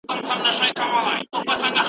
فکري بېسوادان تل د شعوري انسانانو مخه نيسي.